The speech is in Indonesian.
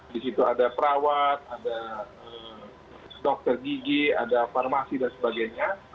di situ ada perawat ada dokter gigi ada farmasi dan sebagainya